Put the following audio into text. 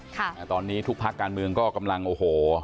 แต่ตอนนี้ทุกภาคการเมืองก็กำลังโอ้โห